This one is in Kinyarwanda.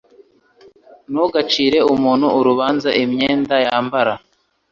Ntugacire umuntu urubanza imyenda yambara.